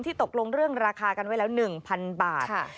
ตกลงเรื่องราคากันไว้แล้ว๑๐๐๐บาท